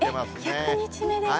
１００日目ですか。